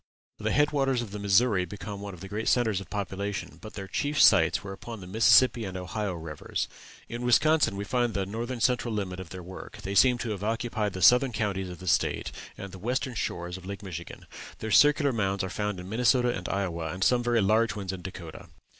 The head waters of the Missouri became one of their great centres of population; but their chief sites were upon the Mississippi and Ohio rivers. In Wisconsin we find the northern central limit of their work; they seem to have occupied the southern counties of the State, and the western shores of Lake Michigan. Their circular mounds are found in Minnesota and Iowa, and some very large ones in Dakota.